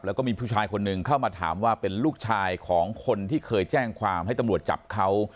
แล้วก็มีผู้ชายคนหนึ่งเข้ามาถามว่าเป็นลูกชายของคนที่เคยแจ้งความให้ตำรวจจับเขา